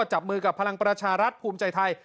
จับมือกับพลังประชารัฐภูมิใจไทย